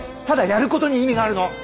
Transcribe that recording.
ただやることに意味があるの！